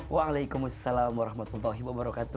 waalaikumsalam warahmatullahi wabarakatuh